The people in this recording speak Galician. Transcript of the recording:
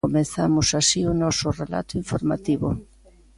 Comezamos así o noso relato informativo.